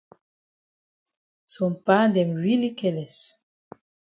Some pa dem really careless.